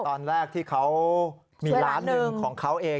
ตอนแรกที่เขามีล้านหนึ่งของเขาเอง